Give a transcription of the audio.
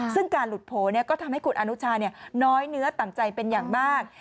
ซึ่งการหลุดโผล่ก็ทำให้คุณอนุชาน้อยเนื้อต่ำใจเป็นอย่างมาก